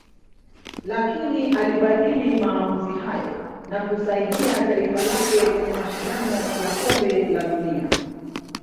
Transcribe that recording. lakini alibadili maamuzi hayo na kusaidia taifa lake kwenye mashindano ya kombe la dunia